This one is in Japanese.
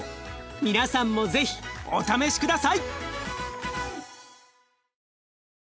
皆さんも是非お試し下さい！